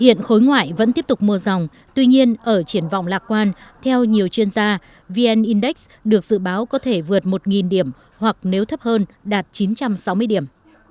hiện khối ngoại vẫn tiếp tục mùa dòng tuy nhiên ở triển vọng lạc quan theo nhiều chuyên gia vn index được dự báo có thể vượt một điểm hoặc nếu thấp hơn đạt chín trăm sáu mươi điểm